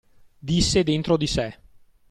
Disse dentro di sè.